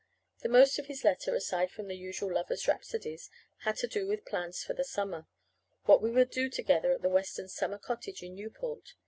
The most of his letter, aside from the usual lover's rhapsodies, had to do with plans for the summer what we would do together at the Westons' summer cottage in Newport.